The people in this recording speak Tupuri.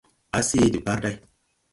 A see de parday.